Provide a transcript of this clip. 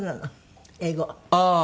ああ